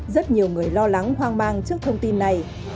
rất nhiều người lo lắng hoang mang trước thông tin này